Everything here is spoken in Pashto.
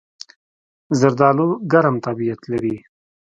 زردالو ګرم طبیعت لري.